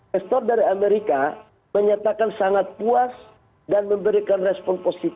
investor dari amerika menyatakan sangat puas dan memberikan respon positif